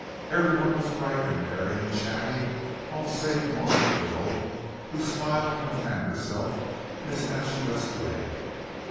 Everyone was bright and merry and chatty: all save Maud Krill who smiled and fanned herself in a statuesque way.